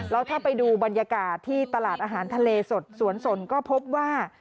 แล้วถ้าไปดูบรรยากาศที่ตลาดอาหารทะเลสดสวนสนก็พบว่า